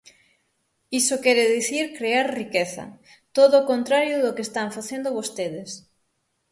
Iso quere dicir crear riqueza, todo o contrario do que están facendo vostedes.